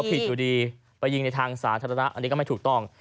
ผิดอยู่ดีไปยิงในทางสาธารณะอันนี้ก็ไม่ถูกต้อง